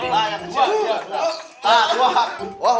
gak ada dokter